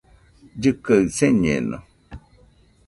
Llɨkɨaɨ señeno